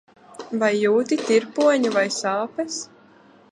Vai jūti tirpoņu vai sāpes?